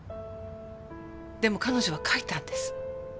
でも彼女は書いたんです。